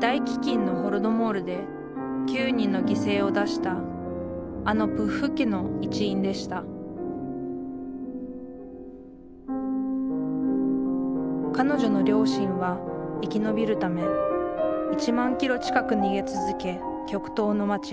大飢きんのホロドモールで９人の犠牲を出したあのプッフ家の一員でした彼女の両親は生き延びるため１万キロ近く逃げ続け極東の街